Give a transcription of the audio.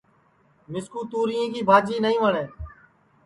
مِسکُو توریں کی بھاجی نائی وٹؔیں